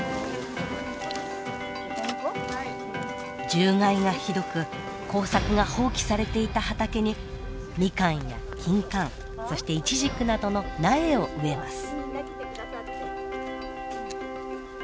獣害がひどく耕作が放棄されていた畑にミカンやキンカンそしてイチジクなどの苗を植えます。